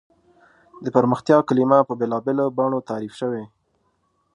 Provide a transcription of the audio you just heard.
د پرمختیا کلیمه په بېلابېلو بڼو تعریف شوې.